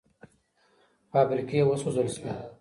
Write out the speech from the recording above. فابریکې وسوځول شوې.